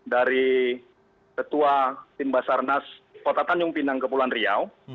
dari ketua timbasarnas kota tanjung pinang kepulauan riau